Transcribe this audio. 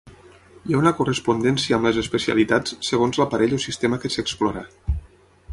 Hi ha una correspondència amb les especialitats segons l'aparell o sistema que s'explora.